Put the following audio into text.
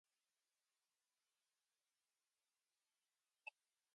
In the end, Young-Hi is enrolled in convent school in Seoul.